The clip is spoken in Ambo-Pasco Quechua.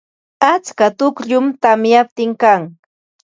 Atska tukllum tamyaptin kan.